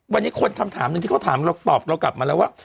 วันนี้คนทำถามนึงที่เขาถามเรากลับมาแล้วว่า